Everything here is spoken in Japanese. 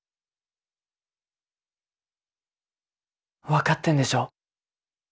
分かってんでしょ。